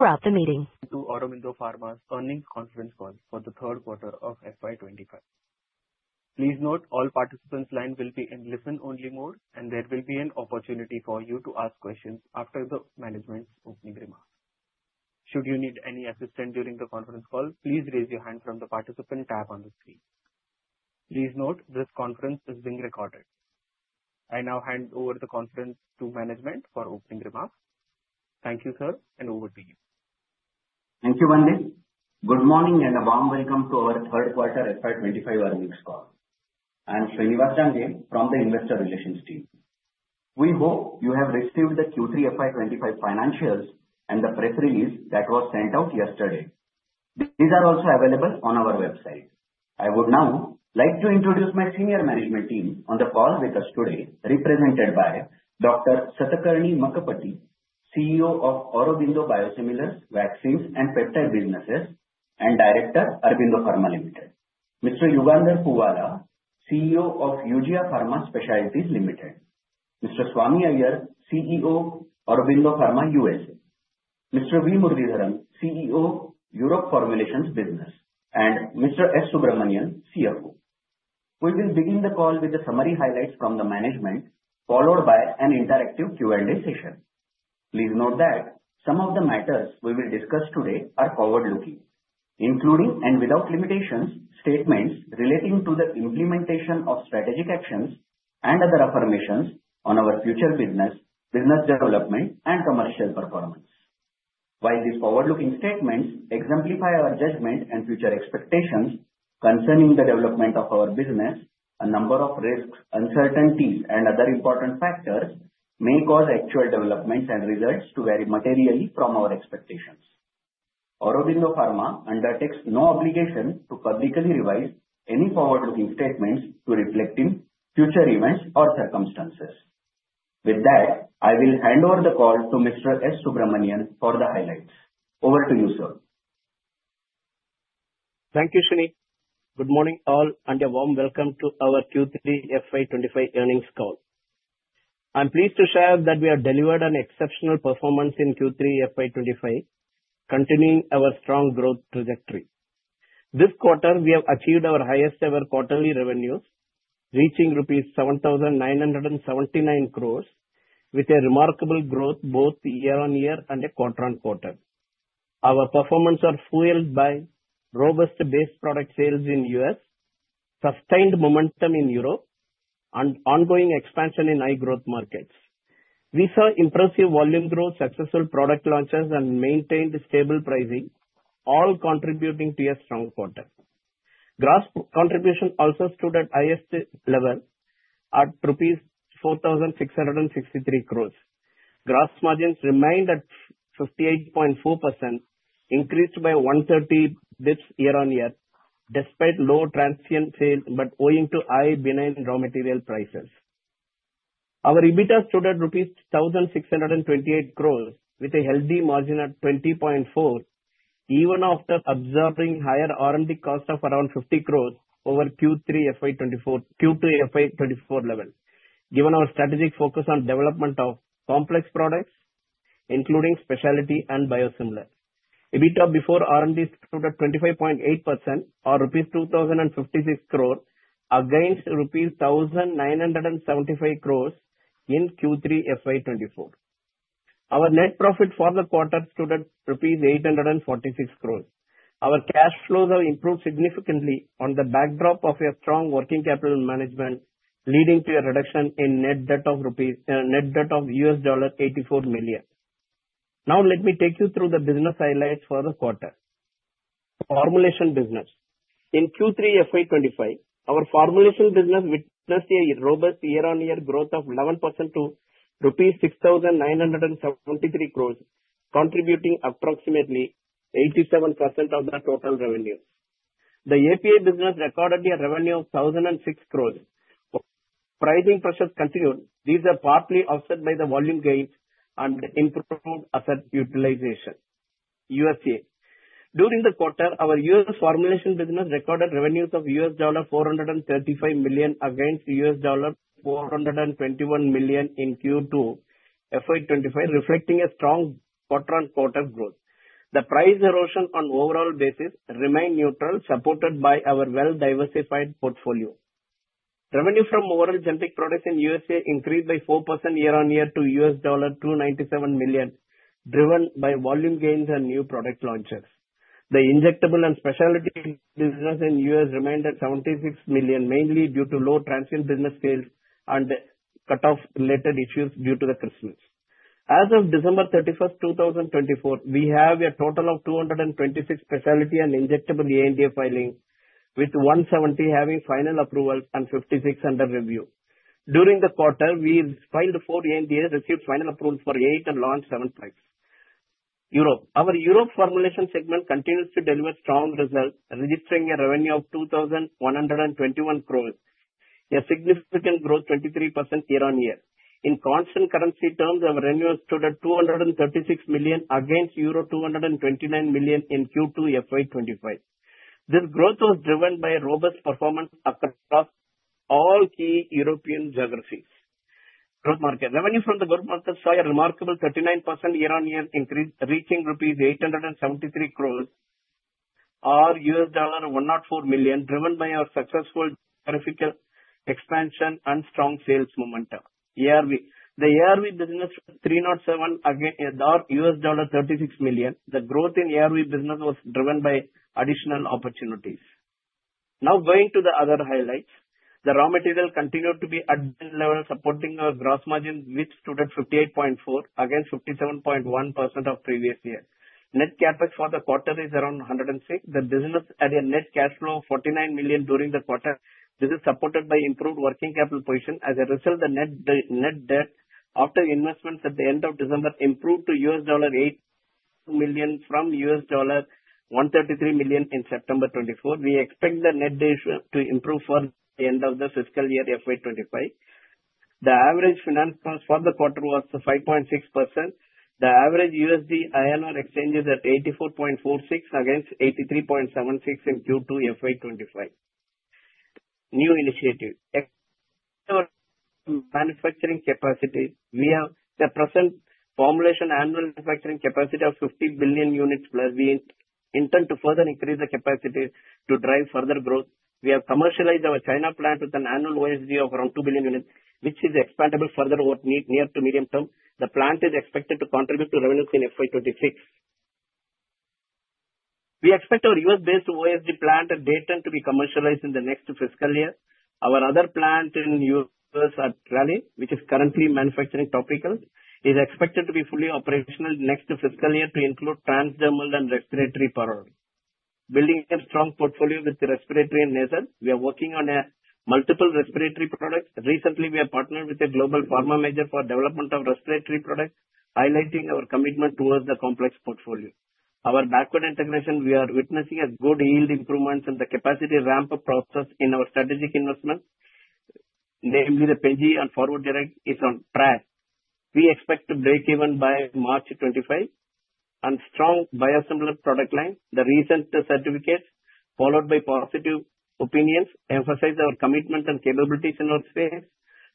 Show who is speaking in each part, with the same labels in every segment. Speaker 1: Start the meeting. To Aurobindo Pharma's earnings conference call for the third quarter of FY25. Please note all participants' lines will be in listen-only mode, and there will be an opportunity for you to ask questions after the management's opening remarks. Should you need any assistance during the conference call, please raise your hand from the participant tab on the screen. Please note this conference is being recorded. I now hand over the conference to management for opening remarks. Thank you, sir, and over to you.
Speaker 2: Thank you, Vandeep. Good morning and a warm welcome to our third quarter FY25 earnings call. I'm Shriniwas Dange from the investor relations team. We hope you have received the Q3 FY25 financials and the press release that was sent out yesterday. These are also available on our website. I would now like to introduce my senior management team on the call with us today, represented by Dr. Satakarni Makkapati, CEO of Aurobindo Biosimilars, Vaccines and Peptide Businesses, and Director, Aurobindo Pharma Limited. Mr. Yugandhar Puvvala, CEO of Eugia Pharma Specialties Limited. Mr. Swami Iyer, CEO, Aurobindo Pharma USA. Mr. V. Muralidharan, CEO, Europe Formulations Business. And Mr. S. Subramanian, CFO. We will begin the call with the summary highlights from the management, followed by an interactive Q&A session. Please note that some of the matters we will discuss today are forward-looking, including and without limitations statements relating to the implementation of strategic actions and other affirmations on our future business, business development, and commercial performance. While these forward-looking statements exemplify our judgment and future expectations concerning the development of our business, a number of risks, uncertainties, and other important factors may cause actual developments and results to vary materially from our expectations. Aurobindo Pharma undertakes no obligation to publicly revise any forward-looking statements to reflect in future events or circumstances. With that, I will hand over the call to Mr. S. Subramanian for the highlights. Over to you, sir.
Speaker 3: Thank you, Shrini. Good morning, all, and a warm welcome to our Q3 FY25 earnings call. I'm pleased to share that we have delivered an exceptional performance in Q3 FY25, continuing our strong growth trajectory. This quarter, we have achieved our highest-ever quarterly revenues, reaching rupees 7,979 crores, with a remarkable growth both year-on-year and quarter-on-quarter. Our performance was fueled by robust base product sales in the US, sustained momentum in Europe, and ongoing expansion in high-growth markets. We saw impressive volume growth, successful product launches, and maintained stable pricing, all contributing to a strong quarter. Gross contribution also stood at the highest level at rupees 4,663 crores. Gross margins remained at 58.4%, increased by 130 basis points year-on-year, despite low transient sales but owing to high benign raw material prices. Our EBITDA stood at rupees 1,628 crores, with a healthy margin at 20.4%, even after observing a higher R&D cost of around 50 crores over Q2 FY24 level, given our strategic focus on the development of complex products, including specialty and biosimilars. EBITDA before R&D stood at 25.8%, or rupees 2,056 crores, against rupees 1,975 crores in Q3 FY24. Our net profit for the quarter stood at rupees 846 crores. Our cash flows have improved significantly on the backdrop of a strong working capital management, leading to a reduction in net debt of $84 million. Now, let me take you through the business highlights for the quarter. Formulation business. In Q3 FY25, our formulation business witnessed a robust year-on-year growth of 11% to rupees 6,973 crores, contributing approximately 87% of the total revenues. The APA business recorded a revenue of 1,006 crores. Pricing pressures continued. These are partly offset by the volume gains and improved asset utilization. USA. During the quarter, our US formulation business recorded revenues of $435 million against $421 million in Q2 FY25, reflecting a strong quarter-on-quarter growth. The price erosion on an overall basis remained neutral, supported by our well-diversified portfolio. Revenue from overall generic products in the USA increased by 4% year-on-year to $297 million, driven by volume gains and new product launches. The injectable and specialty business in the US remained at 76 million, mainly due to low transient business sales and cut-off-related issues due to Christmas. As of December 31, 2024, we have a total of 226 specialty and injectable ANDA filings, with 170 having final approvals and 56 under review. During the quarter, we filed four ANDAs, received final approvals for eight, and launched seven products in Europe. Our Europe formulation segment continues to deliver strong results, registering a revenue of 2,121 crores, a significant growth of 23% year-on-year. In constant currency terms, our revenues stood at 236 million against euro 229 million in Q2 FY25. This growth was driven by robust performance across all key European geographies. Growth market. Revenue from the growth market saw a remarkable 39% year-on-year increase, reaching rupees 873 crores, or $104 million, driven by our successful geographical expansion and strong sales momentum. ARV. The ARV business stood at 307 against $36 million. The growth in ARV business was driven by additional opportunities. Now, going to the other highlights, the raw material continued to be at the level supporting our gross margins, which stood at 58.4% against 57.1% of the previous year. Net CapEx for the quarter is around 106. The business had a net cash flow of 49 million during the quarter. This is supported by improved working capital position. As a result, the net debt after investments at the end of December improved to $8 million from $133 million in September 2024. We expect the net debt to improve further by the end of the fiscal year FY25. The average finance cost for the quarter was 5.6%. The average USD INR exchange rate was at 84.46 against 83.76 in Q2 FY25. New initiative. Manufacturing capacity. We have the present formulation annual manufacturing capacity of 50 billion units, where we intend to further increase the capacity to drive further growth. We have commercialized our China plant with an annual OSD of around 2 billion units, which is expandable further over near to medium term. The plant is expected to contribute to revenues in FY26. We expect our US-based OSD plant at Dayton to be commercialized in the next fiscal year. Our other plant in US, at Raleigh, which is currently manufacturing topicals, is expected to be fully operational next fiscal year to include transdermal and respiratory products. Building a strong portfolio with respiratory and nasal, we are working on multiple respiratory products. Recently, we have partnered with a global pharma major for the development of respiratory products, highlighting our commitment towards the complex portfolio. Our backward integration, we are witnessing good yield improvements in the capacity ramp-up process in our strategic investments, namely the Pen G and Forward Direct is on track. WeG expect to break even by March 2025 and strong biosimilar product line. The recent certificates, followed by positive opinions, emphasize our commitment and capabilities in our space.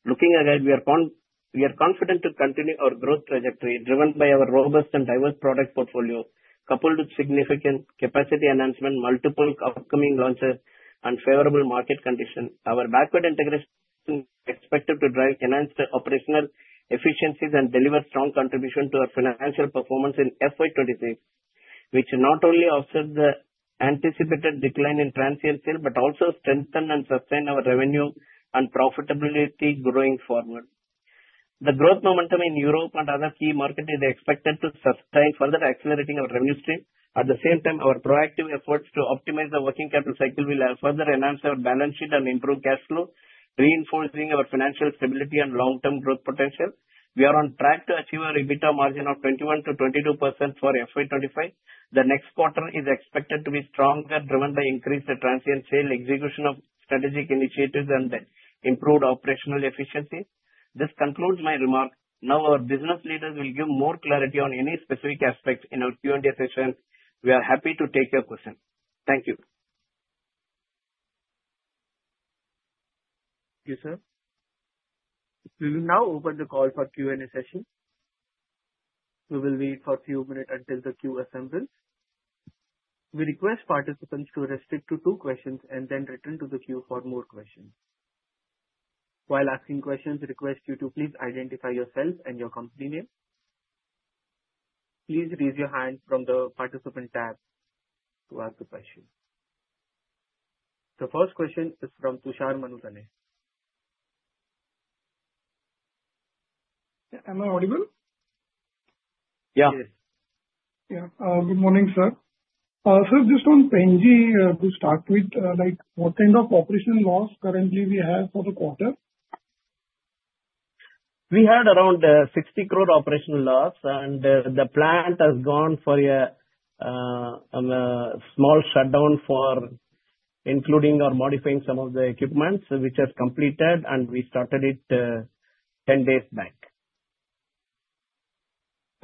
Speaker 3: Looking ahead, we are confident to continue our growth trajectory, driven by our robust and diverse product portfolio, coupled with significant capacity enhancement, multiple upcoming launches, and favorable market conditions. Our backward integration is expected to drive enhanced operational efficiencies and deliver strong contributions to our financial performance in FY26, which not only offsets the anticipated decline in transient sales but also strengthens and sustains our revenue and profitability growing forward. The growth momentum in Europe and other key markets is expected to sustain further accelerating our revenue stream. At the same time, our proactive efforts to optimize the working capital cycle will further enhance our balance sheet and improve cash flow, reinforcing our financial stability and long-term growth potential. We are on track to achieve our EBITDA margin of 21%-22% for FY25. The next quarter is expected to be stronger, driven by increased transient sales, execution of strategic initiatives, and improved operational efficiencies. This concludes my remarks. Now, our business leaders will give more clarity on any specific aspects in our Q&A session. We are happy to take your questions. Thank you.
Speaker 1: Thank you, sir. We will now open the call for Q&A session. We will wait for a few minutes until the queue assembles. We request participants to restrict to two questions and then return to the queue for more questions. While asking questions, we request you to please identify yourself and your company name. Please raise your hand from the participant tab to ask the question. The first question is from Tushar Manuthane.
Speaker 4: Am I audible?
Speaker 3: Yeah.
Speaker 4: Yes. Yeah. Good morning, sir. Sir, just on Peji, to start with, what kind of operational loss currently do we have for the quarter?
Speaker 3: We had around 60 crore operational loss, and the plant has gone for a small shutdown, including or modifying some of the equipment, which has completed, and we started it 10 days back.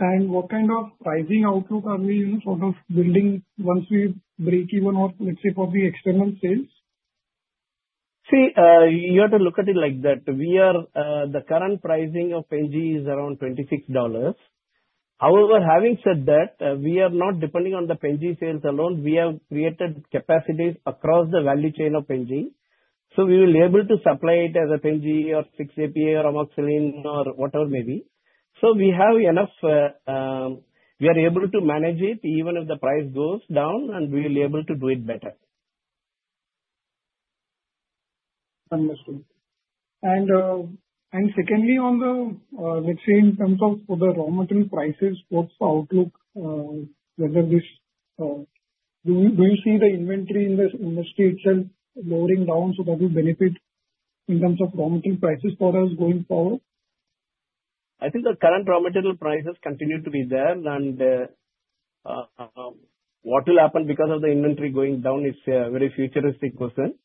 Speaker 4: What kind of pricing outlook are we sort of building once we break even or, let's say, for the external sales?
Speaker 3: See, you have to look at it like that. The current pricing of Peji is around $26. However, having said that, we are not depending on the Peji sales alone. We have created capacities across the value chain of Peji, so we will be able to supply it as a Peji or 6-APA or Amoxilin or whatever may be. So we have enough. We are able to manage it even if the price goes down, and we will be able to do it better.
Speaker 4: Understood, and secondly, on the, let's say, in terms of the raw material prices, what's the outlook? Do you see the inventory in the industry itself lowering down so that you benefit in terms of raw material prices for us going forward?
Speaker 3: I think the current raw material prices continue to be there, and what will happen because of the inventory going down is a very futuristic question.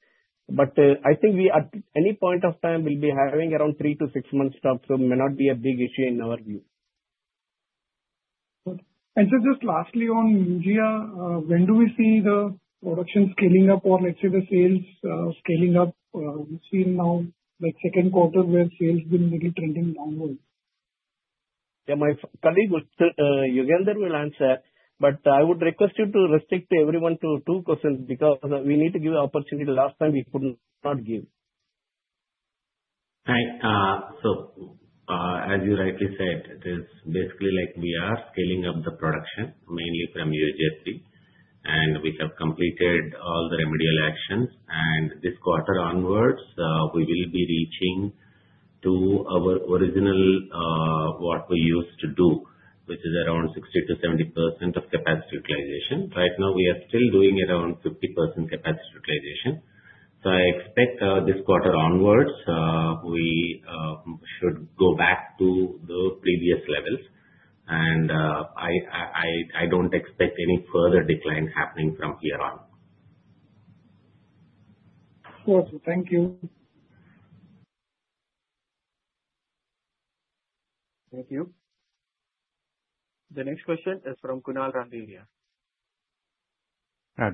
Speaker 3: But I think we, at any point of time, will be having around three to six months' stock, so it may not be a big issue in our view.
Speaker 4: Sir, just lastly on Nujia, when do we see the production scaling up or, let's say, the sales scaling up? We've seen now, like, second quarter, where sales have been a little trending downward.
Speaker 3: Yeah, my colleague Yugandhar will answer, but I would request you to restrict everyone to two questions because we need to give an opportunity. Last time, we could not give.
Speaker 5: Hi. So, as you rightly said, it is basically like we are scaling up the production, mainly from UJP, and we have completed all the remedial actions, and this quarter onwards, we will be reaching to our original what we used to do, which is around 60%-70% of capacity utilization. Right now, we are still doing around 50% capacity utilization, so I expect this quarter onwards, we should go back to the previous levels, and I don't expect any further decline happening from here on.
Speaker 4: Awesome. Thank you.
Speaker 1: Thank you. The next question is from Kunal Randhilia.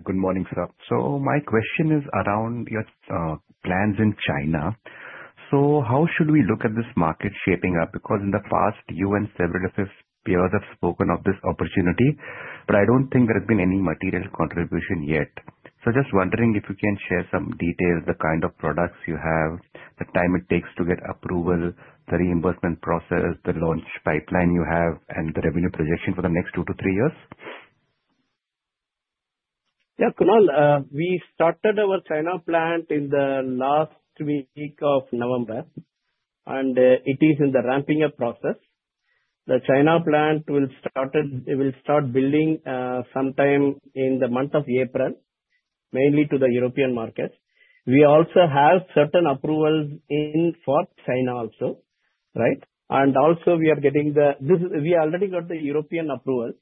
Speaker 4: Good morning, sir. So my question is around your plans in China. So how should we look at this market shaping up? Because in the past, you and several of your peers have spoken of this opportunity, but I don't think there has been any material contribution yet. So just wondering if you can share some details, the kind of products you have, the time it takes to get approval, the reimbursement process, the launch pipeline you have, and the revenue projection for the next two to three years.
Speaker 3: Yeah, Kunal, we started our China plant in the last week of November, and it is in the ramping-up process. The China plant will start building sometime in the month of April, mainly to the European markets. We also have certain approvals in for China also, right? And also, we are getting the. We already got the European approval,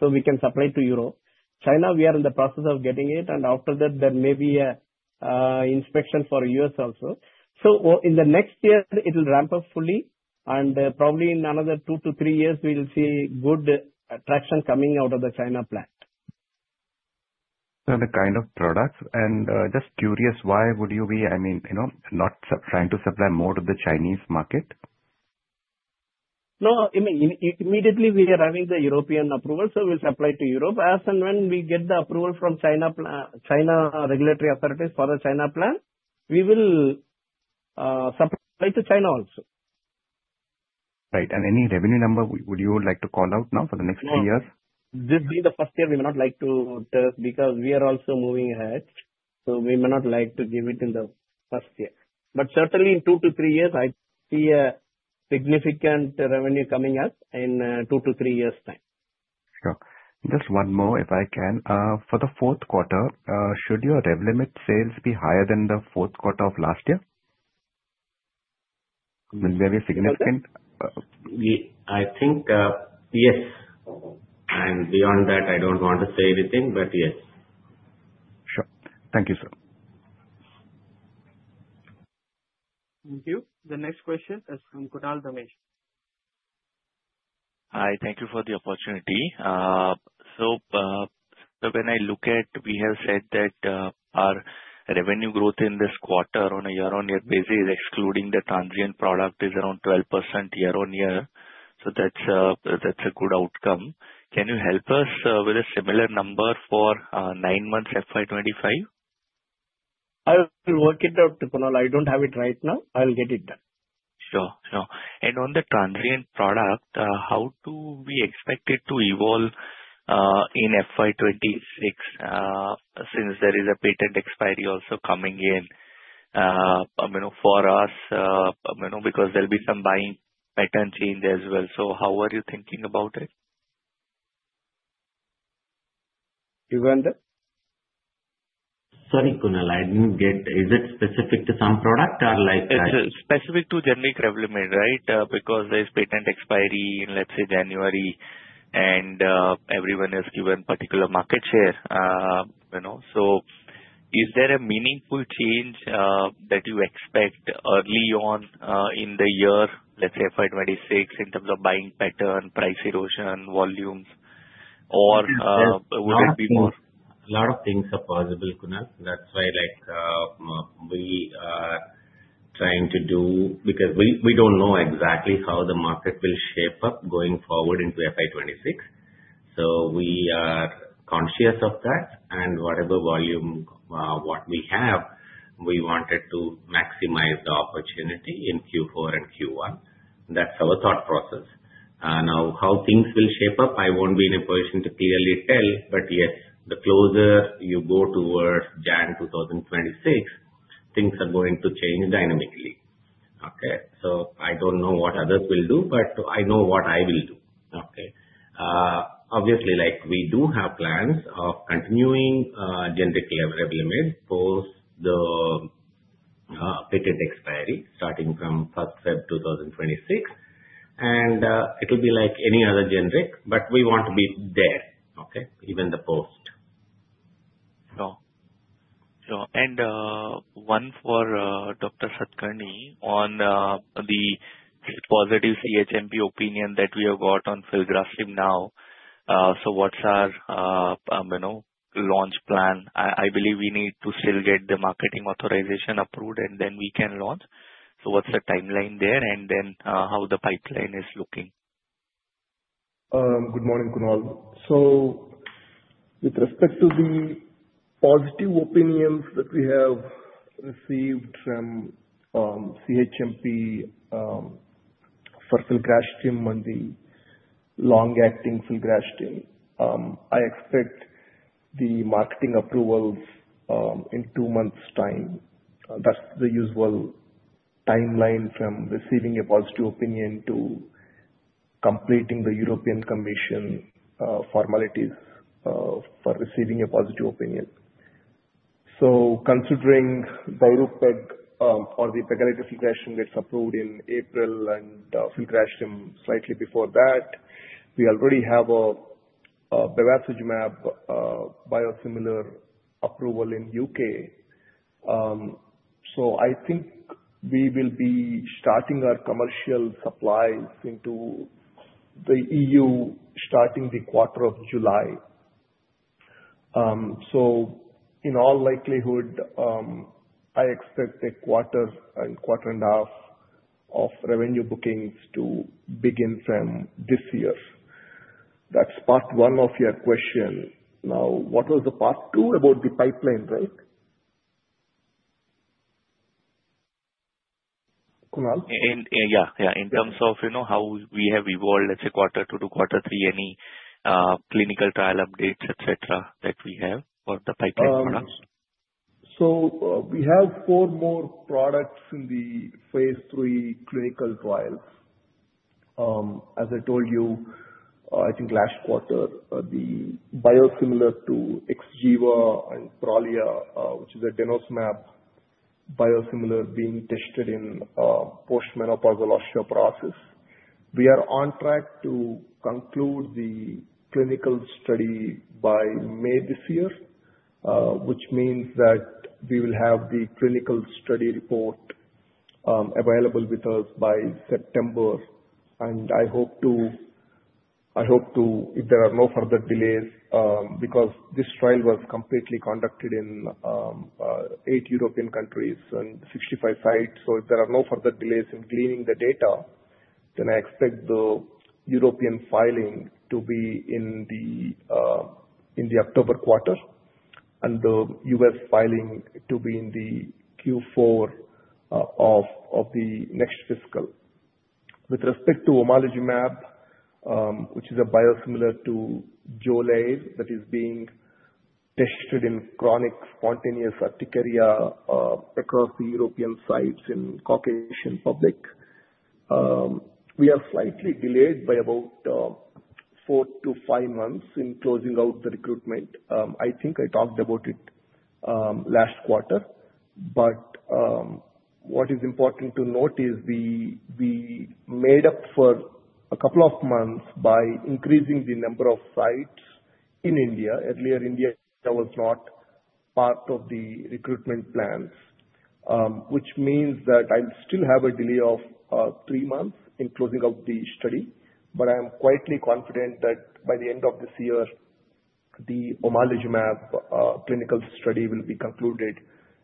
Speaker 3: so we can supply to Europe. China, we are in the process of getting it, and after that, there may be an inspection for the U.S. also. So in the next year, it will ramp up fully, and probably in another two to three years, we will see good traction coming out of the China plant.
Speaker 4: So, the kind of products? And just curious, why would you be, I mean, not trying to supply more to the Chinese market?
Speaker 3: No, immediately, we are having the European approval, so we'll supply to Europe. As and when we get the approval from China regulatory authorities for the China plant, we will supply to China also.
Speaker 4: Right. And any revenue number would you like to call out now for the next three years?
Speaker 3: This being the first year, we may not like to tell because we are also moving ahead, so we may not like to give it in the first year, but certainly, in two to three years, I see a significant revenue coming up in two to three years' time.
Speaker 4: Sure. Just one more, if I can. For the fourth quarter, should your Revlimid sales be higher than the fourth quarter of last year? Will we have a significant—
Speaker 5: I think yes, and beyond that, I don't want to say anything, but yes.
Speaker 4: Sure. Thank you, sir.
Speaker 1: Thank you. The next question is from Kunal Dhami.
Speaker 4: Hi. Thank you for the opportunity. So when I look at, we have said that our revenue growth in this quarter on a year-on-year basis, excluding the transient product, is around 12% year-on-year. So that's a good outcome. Can you help us with a similar number for nine months FY25?
Speaker 3: I'll work it out, Kunal. I don't have it right now. I'll get it done.
Speaker 4: Sure. Sure. And on the transient product, how do we expect it to evolve in FY26 since there is a patent expiry also coming in for us because there'll be some buying pattern change as well? So how are you thinking about it?
Speaker 3: Yugandhar?
Speaker 5: Sorry, Kunal. I didn't get. Is it specific to some product or like?
Speaker 4: It's specific to generic Revlimid, right? Because there's patent expiry in, let's say, January, and everyone has given particular market share. So is there a meaningful change that you expect early on in the year, let's say, FY26, in terms of buying pattern, price erosion, volumes, or would it be more?
Speaker 6: A lot of things are possible, Kunal. That's why we are trying to do, because we don't know exactly how the market will shape up going forward into FY26. So we are conscious of that. And whatever volume we have, we wanted to maximize the opportunity in Q4 and Q1. That's our thought process. Now, how things will shape up, I won't be in a position to clearly tell, but yes, the closer you go towards January 2026, things are going to change dynamically. Okay? So I don't know what others will do, but I know what I will do. Okay? Obviously, we do have plans of continuing generic Revlimid post the patent expiry, starting from 1st February 2026. And it'll be like any other generic, but we want to be there, okay, even the post.
Speaker 4: Sure. Sure. And one for Dr. Satakarni on the positive CHMP opinion that we have got on Philgrasim now. So what's our launch plan? I believe we need to still get the marketing authorization approved, and then we can launch. So what's the timeline there, and then how the pipeline is looking?
Speaker 7: Good morning, Kunal. So with respect to the positive opinions that we have received from CHMP for Filgrastim and the long-acting Filgrastim, I expect the marketing approvals in two months' time. That's the usual timeline from receiving a positive opinion to completing the European Commission formalities for receiving a positive opinion. So considering denosumab or the pegfilgrastim gets approved in April and Filgrastim slightly before that, we already have a bevacizumab biosimilar approval in the UK. So I think we will be starting our commercial supplies into the EU starting the quarter of July. So in all likelihood, I expect a quarter and quarter and a half of revenue bookings to begin from this year. That's part one of your question. Now, what was the part two about the pipeline, right? Kunal?
Speaker 4: In terms of how we have evolved, let's say, quarter two to quarter three, any clinical trial updates, etc., that we have for the pipeline products?
Speaker 7: We have four more products in the phase three clinical trials. As I told you, I think last quarter, the biosimilar to Xgeva and Prolia, which is a denosumab biosimilar being tested in postmenopausal osteoporosis. We are on track to conclude the clinical study by May this year, which means that we will have the clinical study report available with us by September. I hope to, if there are no further delays, because this trial was completely conducted in eight European countries and 65 sites. If there are no further delays in gleaning the data, then I expect the European filing to be in the October quarter and the US filing to be in the Q4 of the next fiscal. With respect to omalizumab, which is a biosimilar to Xolair that is being tested in chronic spontaneous urticaria across the European sites in Caucasian population, we are slightly delayed by about four to five months in closing out the recruitment. I think I talked about it last quarter, but what is important to note is we made up for a couple of months by increasing the number of sites in India. Earlier, India was not part of the recruitment plans, which means that I'll still have a delay of three months in closing out the study. But I am quietly confident that by the end of this year, the omalizumab clinical study will be concluded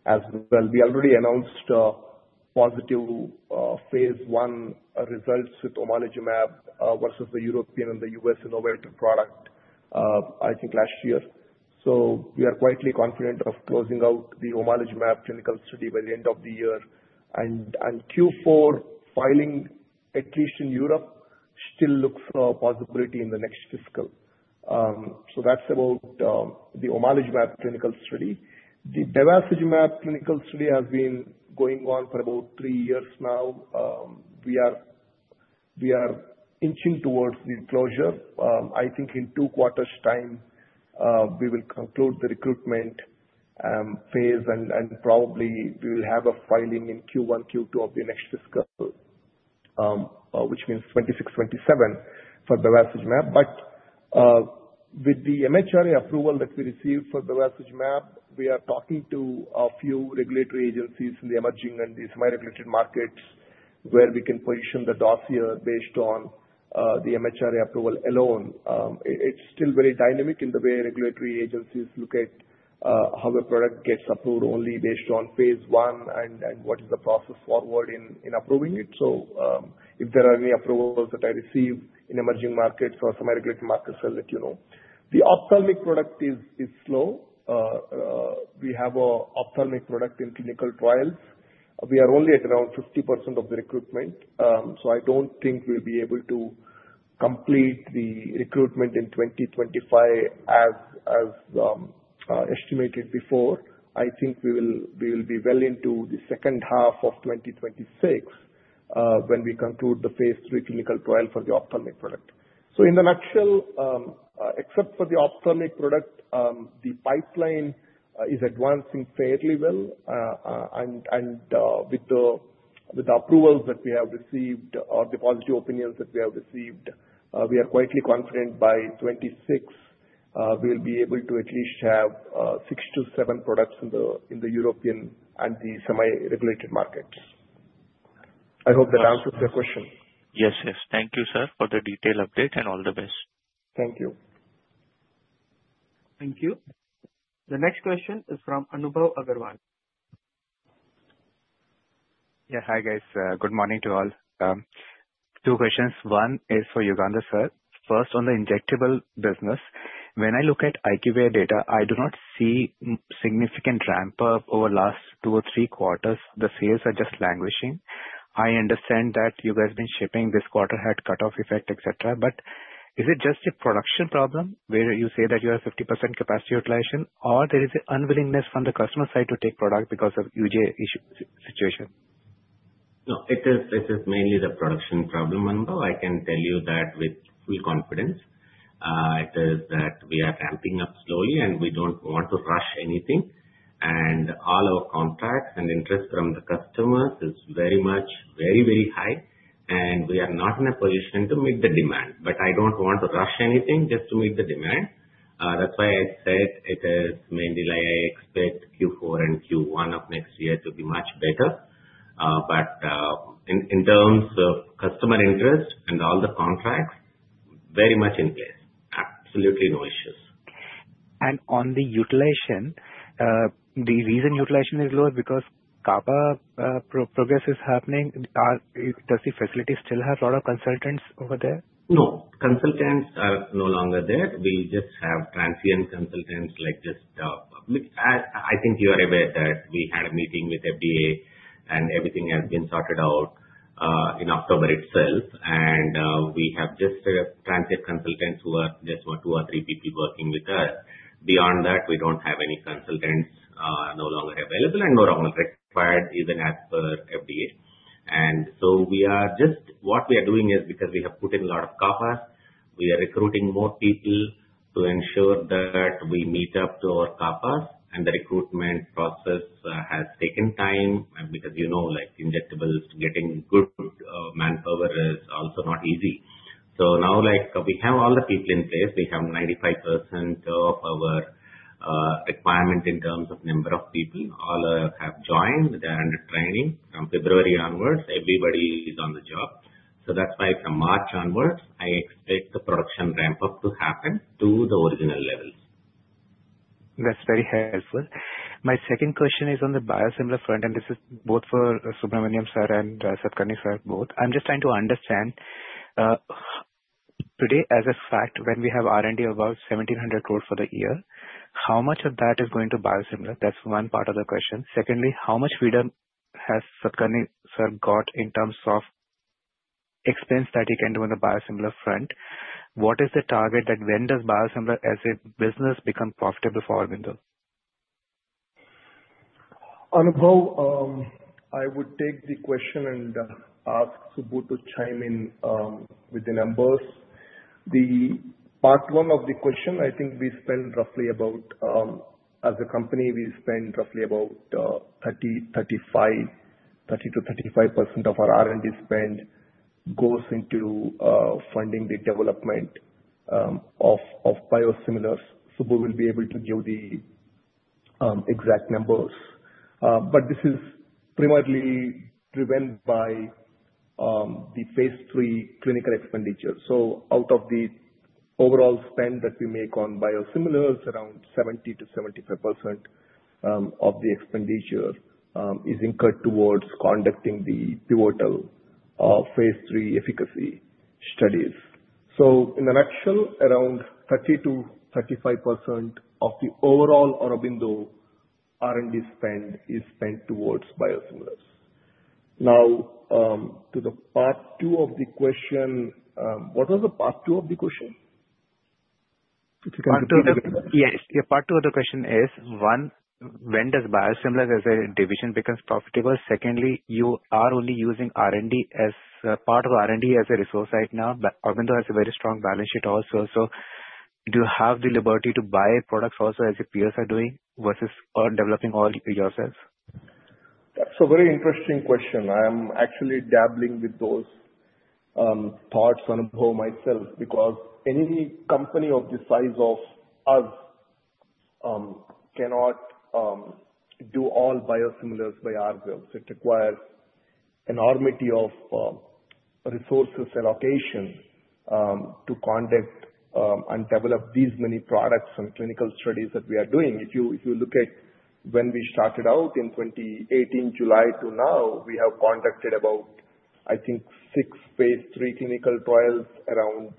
Speaker 7: as well. We already announced positive phase one results with omalizumab versus the European and the U.S. innovator product, I think, last year. We are quietly confident of closing out the omalizumab clinical study by the end of the year. Q4 filing, at least in Europe, still looks for a possibility in the next fiscal. That's about the omalizumab clinical study. The bevacizumab clinical study has been going on for about three years now. We are inching towards the closure. I think in two quarters' time, we will conclude the recruitment phase, and probably we will have a filing in Q1, Q2 of the next fiscal, which means 2026, 2027 for bevacizumab. With the MHRA approval that we received for bevacizumab, we are talking to a few regulatory agencies in the emerging and the semi-regulated markets where we can position the dossier based on the MHRA approval alone. It's still very dynamic in the way regulatory agencies look at how a product gets approved only based on phase one and what is the process forward in approving it. So if there are any approvals that I receive in emerging markets or semi-regulated markets, I'll let you know. The ophthalmic product is slow. We have an ophthalmic product in clinical trials. We are only at around 50% of the recruitment. So I don't think we'll be able to complete the recruitment in 2025 as estimated before. I think we will be well into the second half of 2026 when we conclude the phase three clinical trial for the ophthalmic product. So in a nutshell, except for the ophthalmic product, the pipeline is advancing fairly well. With the approvals that we have received or the positive opinions that we have received, we are quietly confident by 2026 we'll be able to at least have six to seven products in the European and the semi-regulated markets. I hope that answers your question.
Speaker 4: Yes, yes. Thank you, sir, for the detailed update and all the best.
Speaker 7: Thank you.
Speaker 1: Thank you. The next question is from Anubhav Agarwal.
Speaker 4: Yeah. Hi, guys. Good morning to all. Two questions. One is for Yugandhar, sir. First, on the injectable business, when I look at IQVIA data, I do not see significant ramp-up over the last two or three quarters. The sales are just languishing. I understand that you guys have been shipping this quarter, had cut-off effect, etc. But is it just a production problem where you say that you have 50% capacity utilization, or there is an unwillingness from the customer side to take product because of UJ issue situation?
Speaker 5: No. It is mainly the production problem, Anubhav. I can tell you that with full confidence. It is that we are ramping up slowly, and we don't want to rush anything. And all our contracts and interest from the customers is very much, very, very high, and we are not in a position to meet the demand. But I don't want to rush anything just to meet the demand. That's why I said it is mainly like I expect Q4 and Q1 of next year to be much better. But in terms of customer interest and all the contracts, very much in place. Absolutely no issues.
Speaker 4: On the utilization, the reason utilization is low is because CAPA progress is happening. Does the facility still have a lot of consultants over there?
Speaker 5: No. Consultants are no longer there. We just have transient consultants like just public. I think you are aware that we had a meeting with FDA, and everything has been sorted out in October itself, and we have just transient consultants who are just two or three people working with us. Beyond that, we don't have any consultants no longer available and no longer required even as per FDA, and so what we are doing is because we have put in a lot of CAPAs, we are recruiting more people to ensure that we meet up to our CAPAs, and the recruitment process has taken time because you know injectables getting good manpower is also not easy, so now we have all the people in place. We have 95% of our requirement in terms of number of people. All have joined. They're under training. From February onwards, everybody is on the job. So that's why from March onwards, I expect the production ramp-up to happen to the original levels.
Speaker 4: That's very helpful. My second question is on the biosimilar front, and this is both for Subramanian, sir, and Satakarni, sir, both. I'm just trying to understand. Today, as a fact, when we have R&D about 1,700 crores for the year, how much of that is going to biosimilar? That's one part of the question. Secondly, how much freedom has Satakarni, sir, got in terms of expense that he can do on the biosimilar front? What is the target that when does biosimilar as a business become profitable for Aurobindo?
Speaker 7: Anubhav, I would take the question and ask Subbu to chime in with the numbers. The part one of the question, I think we spend roughly about, as a company, 30%-35% of our R&D spend goes into funding the development of biosimilars. Subbu will be able to give the exact numbers. But this is primarily driven by the phase three clinical expenditure. So out of the overall spend that we make on biosimilars, around 70%-75% of the expenditure is incurred towards conducting the pivotal phase three efficacy studies. So in a nutshell, around 30%-35% of the overall Aurobindo R&D spend is spent towards biosimilars. Now, to the part two of the question, what was the part two of the question?
Speaker 4: Part two of the question is, one, when does Biosimilars as a division become profitable? Secondly, you are only using R&D as part of R&D as a resource right now. Aurobindo has a very strong balance sheet also. So do you have the liberty to buy products also as your peers are doing versus developing all yourselves?
Speaker 7: That's a very interesting question. I am actually dabbling with those thoughts, Anubhav, myself, because any company of the size of us cannot do all biosimilars by ourselves. It requires an enormity of resources allocation to conduct and develop these many products and clinical studies that we are doing. If you look at when we started out in 2018, July to now, we have conducted about, I think, six phase three clinical trials, around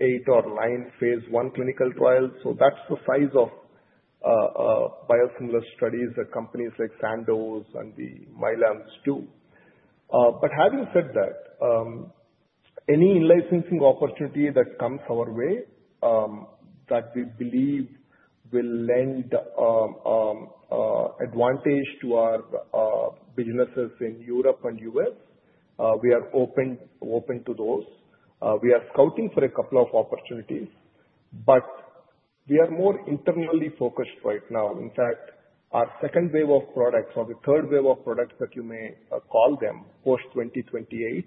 Speaker 7: eight or nine phase one clinical trials. So that's the size of biosimilar studies that companies like Sandoz and the Mylan do. But having said that, any licensing opportunity that comes our way that we believe will lend advantage to our businesses in Europe and US, we are open to those. We are scouting for a couple of opportunities, but we are more internally focused right now. In fact, our second wave of products or the third wave of products, that you may call them, post 2028,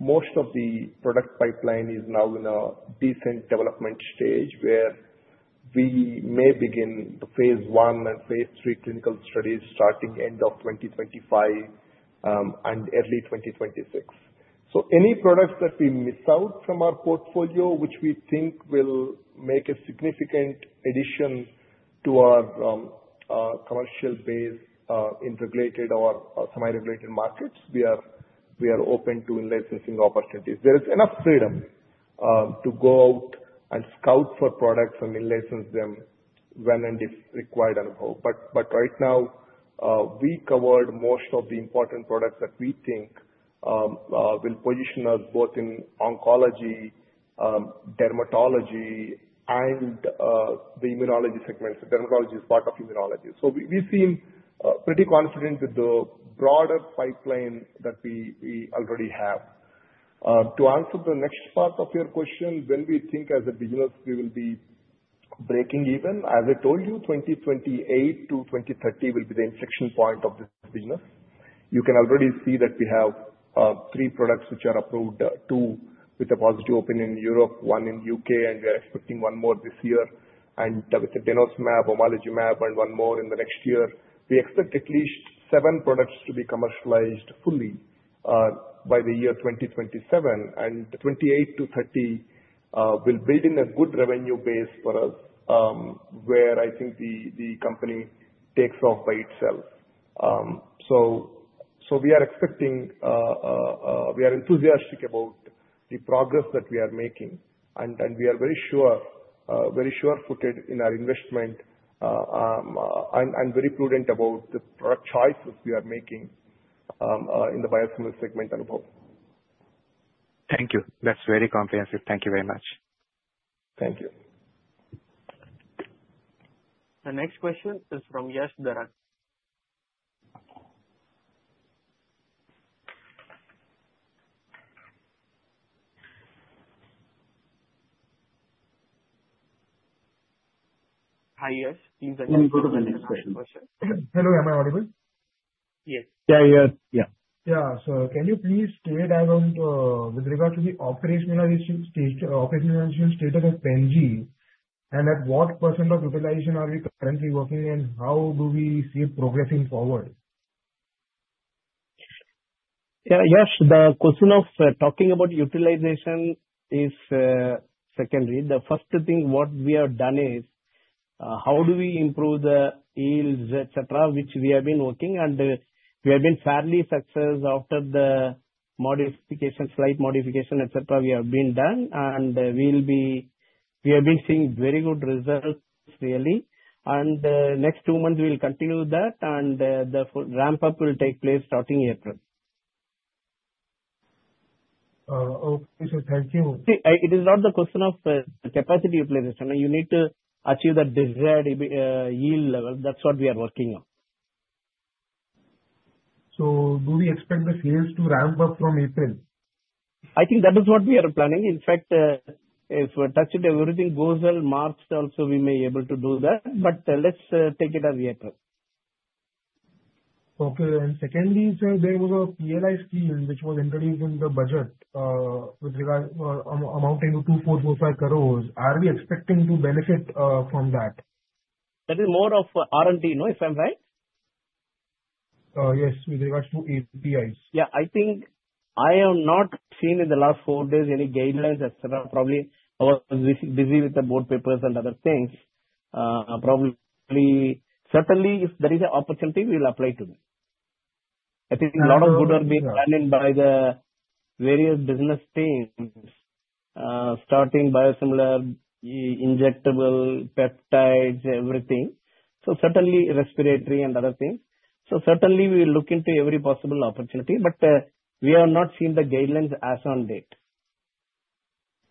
Speaker 7: most of the product pipeline is now in a decent development stage where we may begin the phase one and phase three clinical studies starting end of 2025 and early 2026. So any products that we miss out from our portfolio, which we think will make a significant addition to our commercial base in regulated or semi-regulated markets, we are open to licensing opportunities. There is enough freedom to go out and scout for products and then license them when and if required, Anubhav. But right now, we covered most of the important products that we think will position us both in oncology, dermatology, and the immunology segments. Dermatology is part of immunology. So we seem pretty confident with the broader pipeline that we already have. To answer the next part of your question, when we think as a business, we will be breaking even. As I told you, 2028-2030 will be the inflection point of this business. You can already see that we have three products which are approved: two with a positive opinion in Europe, one in the UK, and we are expecting one more this year, and with the denosumab, omalizumab, and one more in the next year, we expect at least seven products to be commercialized fully by the year 2027, and 28-30 will build in a good revenue base for us where I think the company takes off by itself. So, we are expecting we are enthusiastic about the progress that we are making, and we are very sure, very sure-footed in our investment and very prudent about the product choices we are making in the biosimilar segment, Anubhav.
Speaker 4: Thank you. That's very comprehensive. Thank you very much.
Speaker 7: Thank you.
Speaker 1: The next question is from Yash Dharan. Hi, Yash. Thanks.
Speaker 7: Can you go to the next question?
Speaker 4: Hello. Am I audible?
Speaker 3: Yes. Yeah, yeah. Yeah.
Speaker 4: Yeah. So can you please state with regard to the operationalization status of Pen G, and at what % of utilization are we currently working, and how do we see it progressing forward?
Speaker 3: Yeah. Yash, the question of talking about utilization is secondary. The first thing what we have done is how do we improve the yields, etc., which we have been working. And we have been fairly successful after the modification, slight modification, etc., we have been done. And we have been seeing very good results, really. And next two months, we'll continue that, and the ramp-up will take place starting April.
Speaker 4: Okay. Thank you.
Speaker 3: See, it is not the question of capacity utilization. You need to achieve that desired yield level. That's what we are working on.
Speaker 4: So do we expect the sales to ramp up from April?
Speaker 3: I think that is what we are planning. In fact, if we touch wood, everything goes well. In March also, we may be able to do that. But let's take it as April.
Speaker 4: Okay. And secondly, sir, there was a PLI scheme which was introduced in the budget with regard to amounting to 2,445 crores. Are we expecting to benefit from that?
Speaker 3: That is more of R&D, no? If I'm right?
Speaker 4: Yes. With regards to APIs.
Speaker 3: Yeah. I think I have not seen in the last four days any guidelines, etc. Probably I was busy with the board papers and other things. Certainly, if there is an opportunity, we'll apply to them. I think a lot of good will be planned by the various business teams, starting biosimilar, injectable, peptides, everything. So certainly, respiratory and other things. So certainly, we will look into every possible opportunity, but we have not seen the guidelines as on date.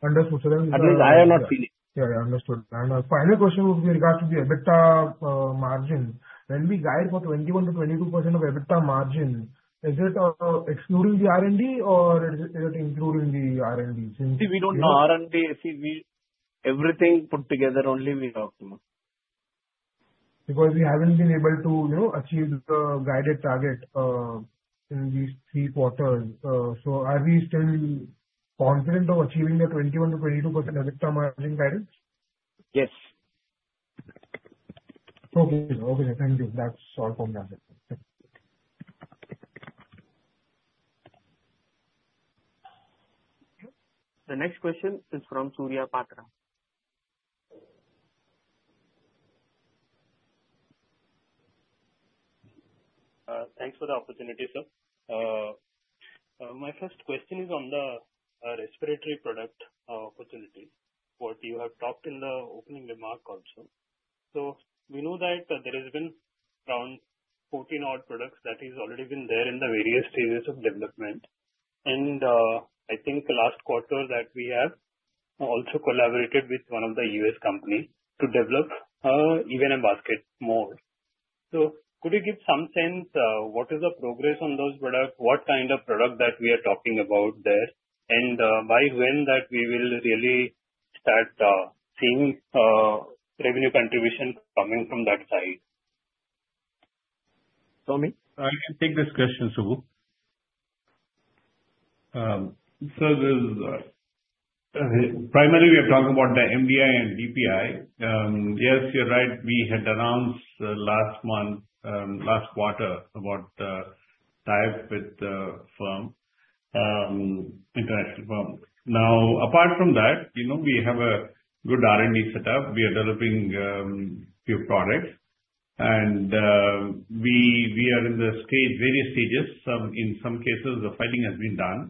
Speaker 4: Understood, so then.
Speaker 3: At least I have not seen it.
Speaker 4: Yeah. Yeah. Understood. And the final question with regards to the EBITDA margin. When we guide for 21%-22% of EBITDA margin, is it excluding the R&D, or is it including the R&D?
Speaker 3: See, we don't know R&D. See, everything put together, only we talk to.
Speaker 4: Because we haven't been able to achieve the guided target in these three quarters. So are we still confident of achieving the 21%-22% EBITDA margin guidance?
Speaker 3: Yes.
Speaker 4: Okay. Okay. Thank you. That's all from that.
Speaker 1: The next question is from Surya Patra.
Speaker 8: Thanks for the opportunity, sir. My first question is on the respiratory product opportunity, what you have talked in the opening remark also. So we know that there has been around 14 odd products that have already been there in the various stages of development. And I think last quarter that we have also collaborated with one of the U.S. companies to develop even a basket more. So could you give some sense what is the progress on those products, what kind of product that we are talking about there, and by when that we will really start seeing revenue contribution coming from that side?
Speaker 9: I can take this question, Subbu. So primarily, we are talking about the MDI and DPI. Yes, you're right. We had announced last month, last quarter, about the tie-up with the international firm. Now, apart from that, we have a good R&D setup. We are developing a few products. And we are in the various stages. In some cases, the filing has been done.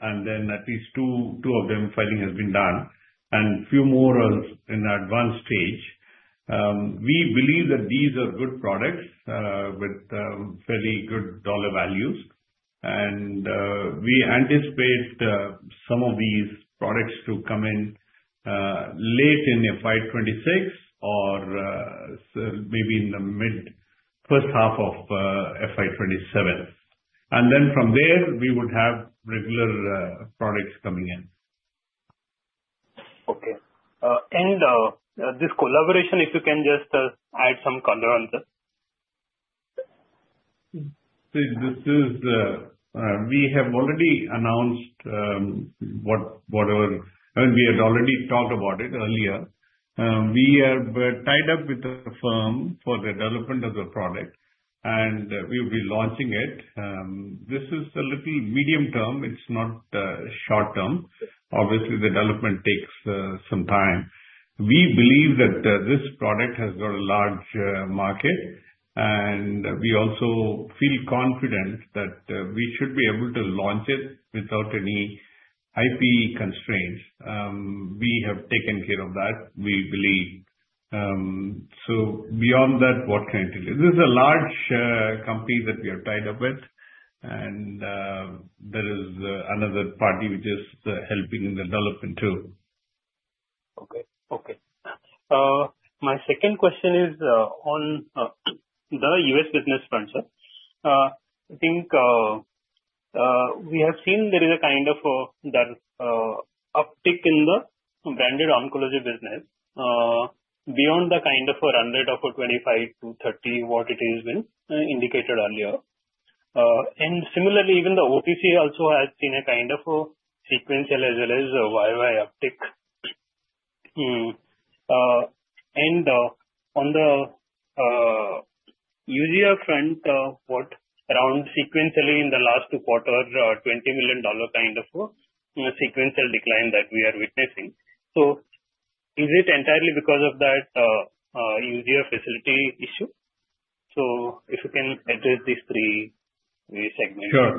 Speaker 9: And then at least two of them filing has been done, and a few more in advanced stage. We believe that these are good products with fairly good dollar values. And we anticipate some of these products to come in late in FY26 or maybe in the mid first half of FY27. And then from there, we would have regular products coming in.
Speaker 8: Okay. This collaboration, if you can just add some color on that?
Speaker 9: See, we have already announced what we had already talked about it earlier. We are tied up with the firm for the development of the product, and we will be launching it. This is a little medium term. It's not short term. Obviously, the development takes some time. We believe that this product has got a large market, and we also feel confident that we should be able to launch it without any IP constraints. We have taken care of that, we believe. So beyond that, what can I tell you? This is a large company that we are tied up with, and there is another party which is helping in the development too.
Speaker 8: Okay. Okay. My second question is on the U.S. business front, sir. I think we have seen there is a kind of uptick in the branded oncology business beyond the kind of run rate of 25 to 30, what it has been indicated earlier. And similarly, even the OTC also has seen a kind of sequentially as well as YY uptick. And on the UGR front, around sequentially in the last two quarters, $20 million kind of sequentially decline that we are witnessing. So is it entirely because of that UGR facility issue? So if you can address these three segments.
Speaker 9: Sure.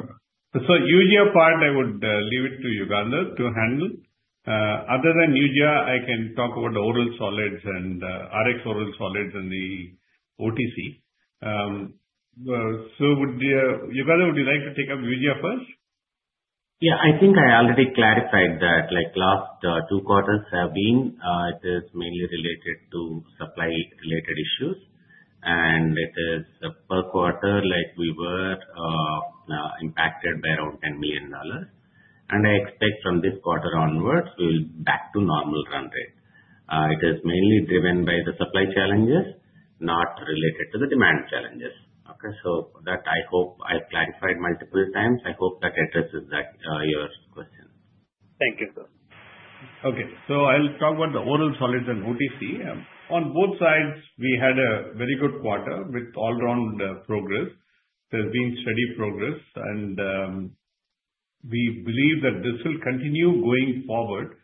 Speaker 9: So, UGR part, I would leave it to Yugandhar to handle. Other than UGR, I can talk about the oral solids and RX oral solids and the OTC. So, Yugandhar, would you like to take up UGR first?
Speaker 5: Yeah. I think I already clarified that the last two quarters have been. It is mainly related to supply-related issues. And it is per quarter, we were impacted by around $10 million. And I expect from this quarter onwards, we'll be back to normal run rate. It is mainly driven by the supply challenges, not related to the demand challenges. Okay? So, I hope I clarified multiple times. I hope that addresses your question.
Speaker 8: Thank you, sir.
Speaker 9: Okay, so I'll talk about the oral solids and OTC. On both sides, we had a very good quarter with all-round progress. There has been steady progress, and we believe that this will continue going forward,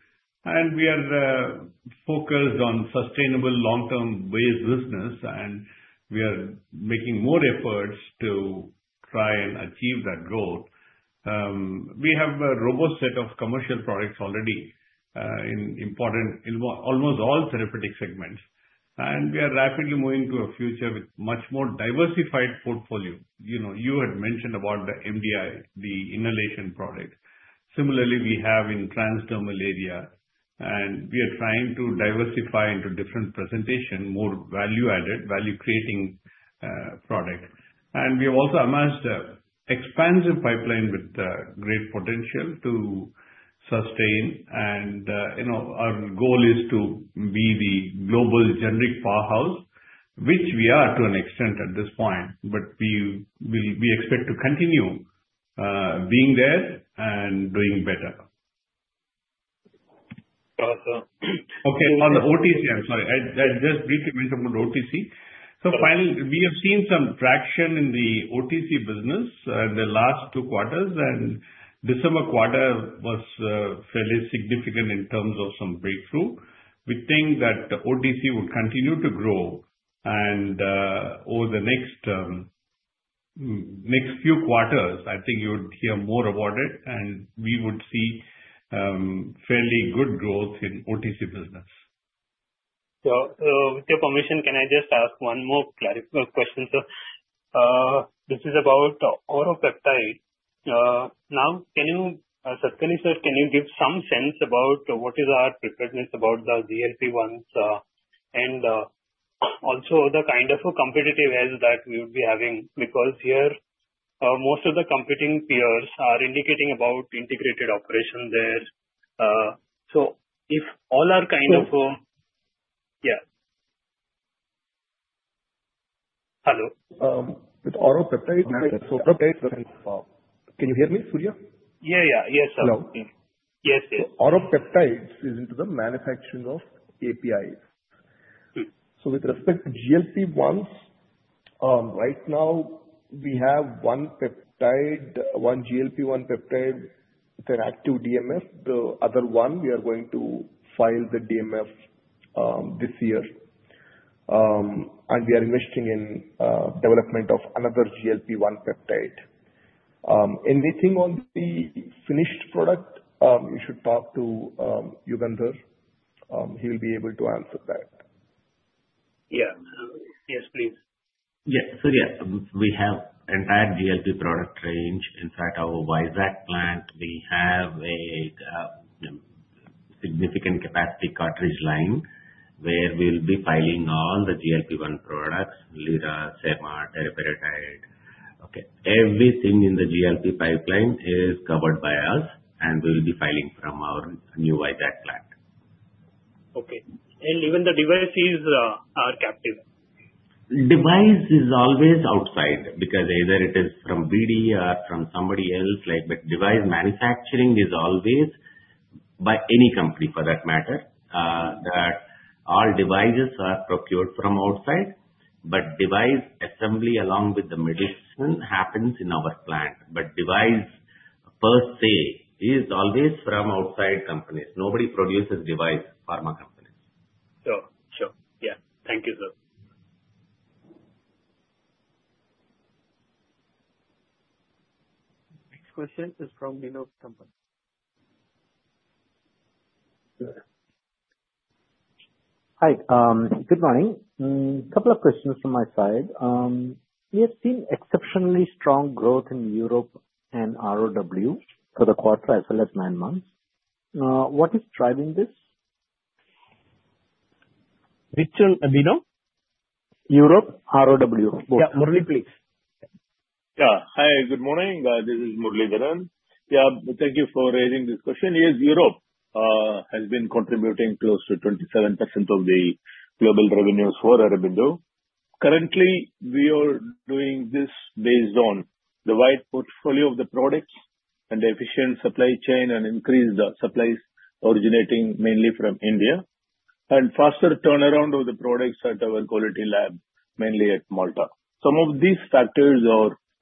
Speaker 9: and we are focused on sustainable long-term-based business, and we are making more efforts to try and achieve that growth. We have a robust set of commercial products already in almost all therapeutic segments, and we are rapidly moving to a future with much more diversified portfolio. You had mentioned about the MDI, the inhalation product. Similarly, we have in the transdermal area, and we are trying to diversify into different presentations, more value-added, value-creating products, and we have also amassed an expansive pipeline with great potential to sustain. Our goal is to be the global generic powerhouse, which we are to an extent at this point, but we expect to continue being there and doing better.
Speaker 8: Awesome.
Speaker 9: Okay. On the OTC, I'm sorry. I just briefly mentioned about OTC. So finally, we have seen some traction in the OTC business in the last two quarters, and the December quarter was fairly significant in terms of some breakthrough. We think that OTC would continue to grow over the next few quarters. I think you would hear more about it, and we would see fairly good growth in OTC business.
Speaker 8: So with your permission, can I just ask one more question? So this is about oral peptide. Now, Satakarni sir, can you give some sense about what is our preparedness about the GLP-1s and also the kind of competitive edge that we would be having? Because here, most of the competing peers are indicating about integrated operation there. So if all are kind of.
Speaker 7: So.
Speaker 8: Yeah. Hello?
Speaker 7: With oral peptides.
Speaker 8: Manufacturing.
Speaker 7: Can you hear me, Surya?
Speaker 8: Yeah, yeah. Yes, sir. Yes, yes.
Speaker 7: Oral peptides is into the manufacturing of APIs. So with respect to GLP-1s, right now, we have one GLP-1 peptide with an active DMF. The other one, we are going to file the DMF this year. And we are investing in the development of another GLP-1 peptide. Anything on the finished product, you should talk to Yugandhar. He will be able to answer that.
Speaker 8: Yeah. Yes, please.
Speaker 5: Yes. So yeah, we have the entire GLP product range. In fact, our YZAC plant, we have a significant capacity cartridge line where we'll be filing all the GLP-1 products: Lira, Sema, teriparatide. Okay. Everything in the GLP pipeline is covered by us, and we'll be filing from our new YZAC plant.
Speaker 8: Okay, and even the devices are captive?
Speaker 5: Device is always outside because either it is from BD or from somebody else. But device manufacturing is always by any company, for that matter, that all devices are procured from outside. But device assembly along with the medicine happens in our plant. But device per se is always from outside companies. Nobody produces devices. Pharma companies.
Speaker 8: Sure. Sure. Yeah. Thank you, sir.
Speaker 1: Next question is from Vinod Thappan.
Speaker 10: Hi. Good morning. A couple of questions from my side. We have seen exceptionally strong growth in Europe and ROW for the quarter as well as nine months. What is driving this?
Speaker 3: Which one? Vinod?
Speaker 10: Europe, ROW.
Speaker 3: Yeah. Murli, please.
Speaker 11: Yeah. Hi. Good morning. This is V. Muralidharan. Yeah. Thank you for raising this question. Yes, Europe has been contributing close to 27% of the global revenues for Aurobindo. Currently, we are doing this based on the wide portfolio of the products and the efficient supply chain and increased supplies originating mainly from India and faster turnaround of the products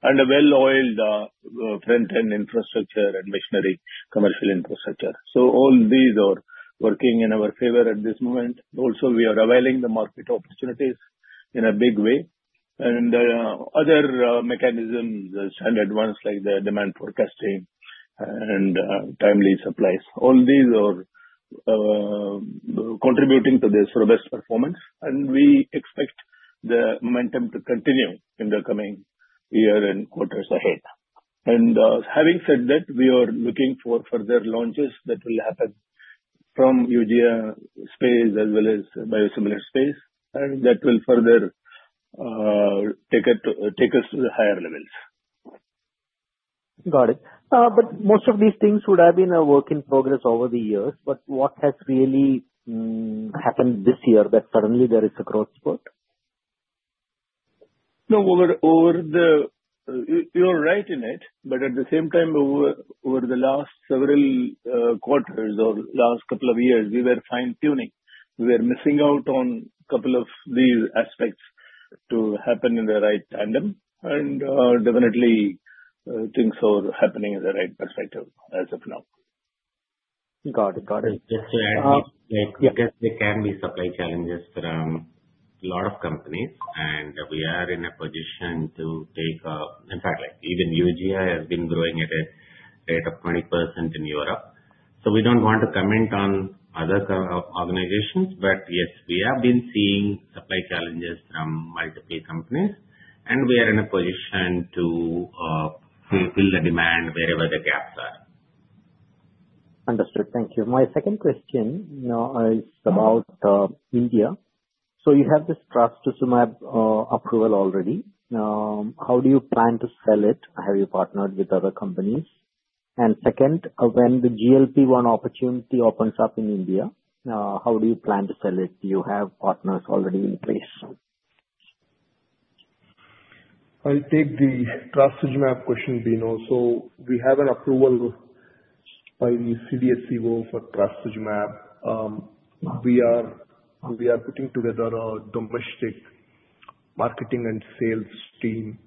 Speaker 11: at our quality lab, mainly at Malta. Some of these factors are well-oiled front-end infrastructure and machinery, commercial infrastructure. So all these are working in our favor at this moment. Also, we are availing the market opportunities in a big way. And other mechanisms, standard ones like the demand forecasting and timely supplies, all these are contributing to this robust performance. And we expect the momentum to continue in the coming year and quarters ahead. Having said that, we are looking for further launches that will happen from UGR space as well as biosimilar space, and that will further take us to the higher levels.
Speaker 10: Got it. But most of these things would have been a work in progress over the years. But what has really happened this year that suddenly there is a growth spurt?
Speaker 11: No. You're right in it. But at the same time, over the last several quarters or last couple of years, we were fine-tuning. We were missing out on a couple of these aspects to happen in the right tandem. And definitely, things are happening in the right perspective as of now.
Speaker 10: Got it. Got it.
Speaker 5: Just to add, I guess there can be supply challenges from a lot of companies, and we are in a position to take a, in fact, even UGR has been growing at a rate of 20% in Europe. So we don't want to comment on other organizations. But yes, we have been seeing supply challenges from multiple companies, and we are in a position to fill the demand wherever the gaps are.
Speaker 10: Understood. Thank you. My second question is about India. So you have this trastuzumab approval already. How do you plan to sell it? Have you partnered with other companies? And second, when the GLP-1 opportunity opens up in India, how do you plan to sell it? Do you have partners already in place?
Speaker 7: I'll take the trastuzumab question, Vinod. So we have an approval by the CDSCO board for trastuzumab. We are putting together a domestic marketing and sales team,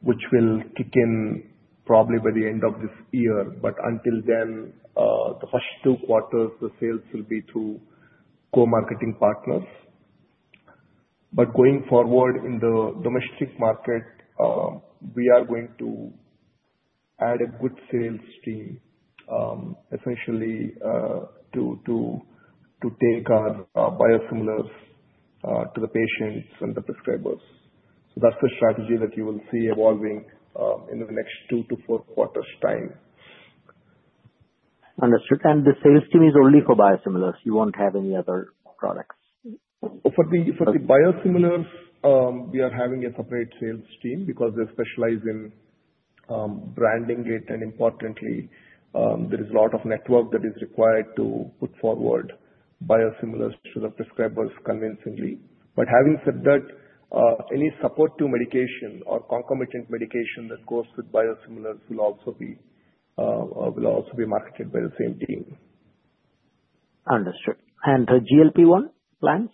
Speaker 7: which will kick in probably by the end of this year. But until then, the first two quarters, the sales will be through co-marketing partners. But going forward in the domestic market, we are going to add a good sales team, essentially, to take our biosimilars to the patients and the prescribers. So that's the strategy that you will see evolving in the next two to four quarters' time.
Speaker 10: Understood. And the sales team is only for biosimilars? You won't have any other products?
Speaker 7: For the biosimilars, we are having a separate sales team because they specialize in branding it, and importantly, there is a lot of network that is required to put forward biosimilars to the prescribers convincingly, but having said that, any support to medication or concomitant medication that goes with biosimilars will also be marketed by the same team.
Speaker 10: Understood. And the GLP-1 plans?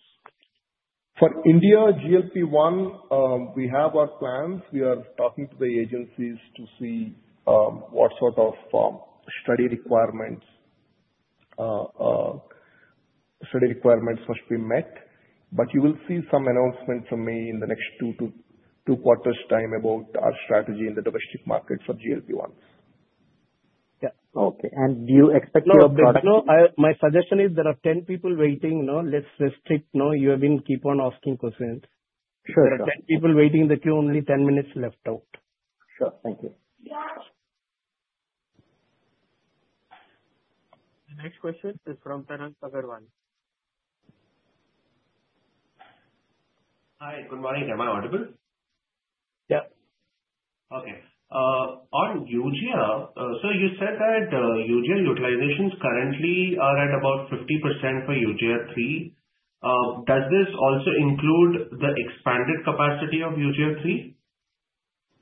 Speaker 7: For India, GLP-1, we have our plans. We are talking to the agencies to see what sort of study requirements must be met. But you will see some announcement from me in the next two quarters' time about our strategy in the domestic market for GLP-1s.
Speaker 10: Yeah. Okay. And do you expect your product?
Speaker 3: No, my suggestion is there are 10 people waiting. Let's restrict. You have been keeping on asking questions. There are 10 people waiting in the queue, only 10 minutes left out.
Speaker 10: Sure. Thank you.
Speaker 1: The next question is from Prashant Aggarwal.
Speaker 12: Hi. Good morning. Am I audible?
Speaker 3: Yeah.
Speaker 12: Okay. On UGR, so you said that UGR utilizations currently are at about 50% for UGR3. Does this also include the expanded capacity of UGR3?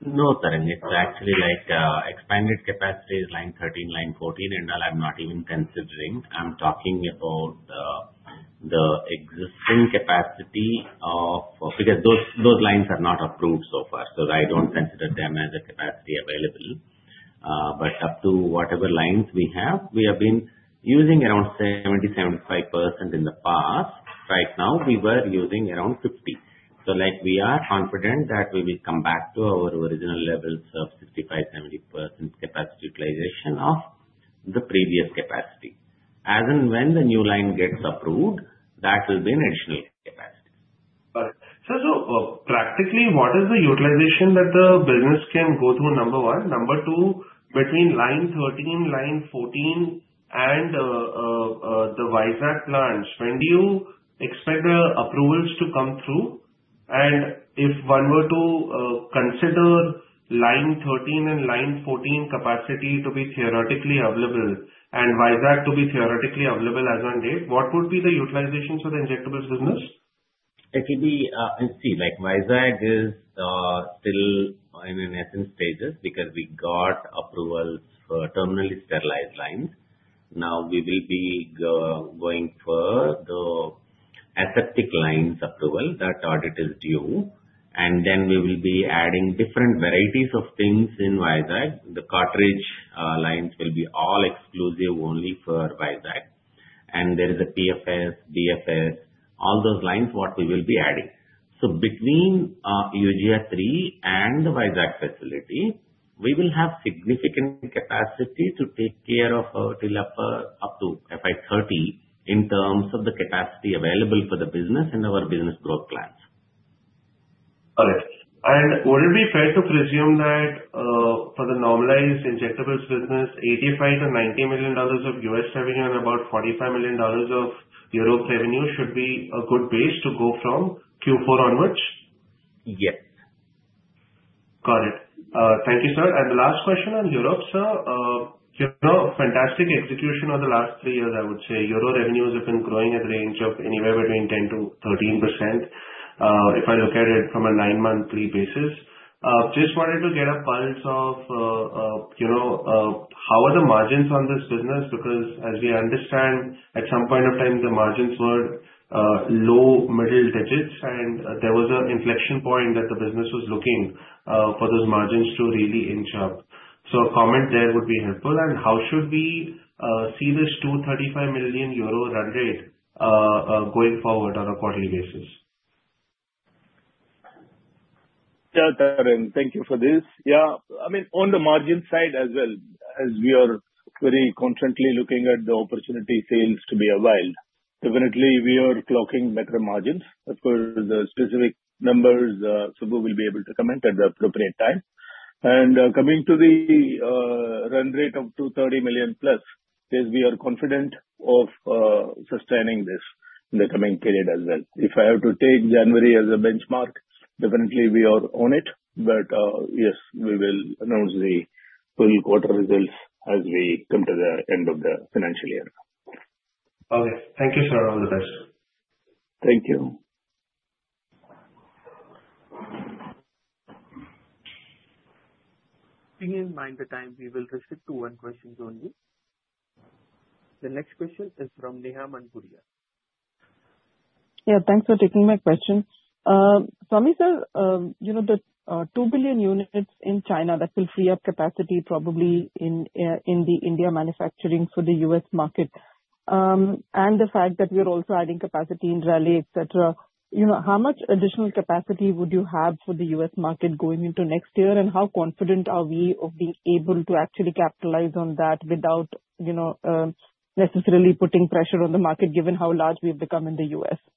Speaker 5: No, sir. It's actually like expanded capacity is line 13, line 14, and I'm not even considering. I'm talking about the existing capacity of because those lines are not approved so far. So I don't consider them as a capacity available. But up to whatever lines we have, we have been using around 70-75% in the past. Right now, we were using around 50%. So we are confident that we will come back to our original levels of 65-70% capacity utilization of the previous capacity. As in when the new line gets approved, that will be an additional capacity.
Speaker 12: Got it. So practically, what is the utilization that the business can go through? Number one. Number two, between line 13, line 14, and the Vizag plans, when do you expect the approvals to come through? And if one were to consider line 13 and line 14 capacity to be theoretically available and Vizag to be theoretically available as on date, what would be the utilizations of the injectables business?
Speaker 5: Actually, I see. YZAC is still in nascent stages because we got approval for terminally sterilized lines. Now, we will be going for the aseptic lines approval. That audit is due. Then we will be adding different varieties of things in YZAC. The cartridge lines will be all exclusive only for YZAC. And there is a PFS, BFS, all those lines what we will be adding. So between UGR3 and the YZAC facility, we will have significant capacity to take care of our till up to FY30 in terms of the capacity available for the business and our business growth plans.
Speaker 12: Got it. And would it be fair to presume that for the normalized injectables business, $85 million-$90 million of US revenue and about $45 million of Europe revenue should be a good base to go from Q4 onwards?
Speaker 5: Yes.
Speaker 12: Got it. Thank you, sir. And the last question on Europe, sir. Fantastic execution over the last three years, I would say. Euro revenues have been growing at a range of anywhere between 10%-13% if I look at it from a nine-monthly basis. Just wanted to get a pulse of how are the margins on this business? Because as we understand, at some point of time, the margins were low middle digits, and there was an inflection point that the business was looking for those margins to really inch up. So a comment there would be helpful. And how should we see this 235 million euro run rate going forward on a quarterly basis?
Speaker 11: Yeah, thank you for this. Yeah. I mean, on the margin side as well, as we are very constantly looking at the opportunity sales to be availed. Definitely, we are clocking better margins. Of course, the specific numbers, Subbu will be able to comment at the appropriate time, and coming to the run rate of 230 million plus, we are confident of sustaining this in the coming period as well. If I have to take January as a benchmark, definitely we are on it, but yes, we will announce the full quarter results as we come to the end of the financial year.
Speaker 12: Okay. Thank you, sir. All the best.
Speaker 11: Thank you.
Speaker 1: Bearing in mind the time, we will restrict to one question only. The next question is from Neha Manpuria.
Speaker 13: Yeah. Thanks for taking my question. Swami sir, the 2 billion units in China that will free up capacity probably in the India manufacturing for the US market and the fact that we are also adding capacity in Raleigh, etc., how much additional capacity would you have for the US market going into next year? And how confident are we of being able to actually capitalize on that without necessarily putting pressure on the market given how large we have become in the US?
Speaker 14: Thanks,